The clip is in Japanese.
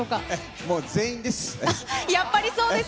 もう全員です。